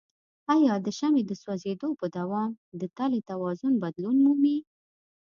آیا د شمع د سوځیدو په دوام د تلې توازن بدلون مومي؟